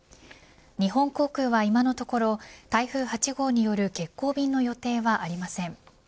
日本航空は今のところ台風８号による欠航便の予定はありません。